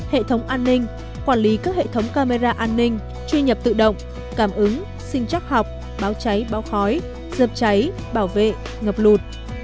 hệ thống an ninh quản lý các hệ thống camera an ninh truy nhập tự động cảm ứng sinh chắc học báo cháy báo khói dập cháy bảo vệ ngập lụt